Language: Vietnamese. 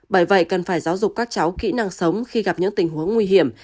bởi vậy cần phải giáo dục các cháu kỹ năng sống khi gặp những tình huống nguy hiểm